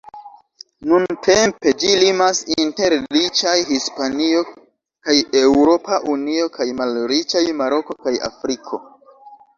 Nuntempe, ĝi limas inter riĉaj Hispanio kaj Eŭropa Unio kaj malriĉaj Maroko kaj Afriko.